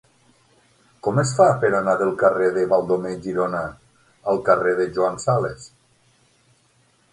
Com es fa per anar del carrer de Baldomer Girona al carrer de Joan Sales?